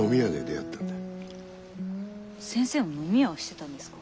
先生もノミ屋をしてたんですか？